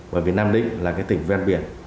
bởi vì nam định là tỉnh ven biển